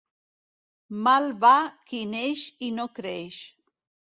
Mal va qui neix i no creix.